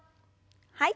はい。